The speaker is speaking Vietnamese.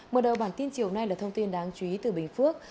mở đầu bản tin chiều nay là thông tin đáng chú ý từ bình phước